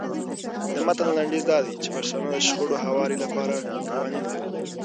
د متن لنډیز دا دی چې پښتانه د شخړو هواري لپاره قوانین لري.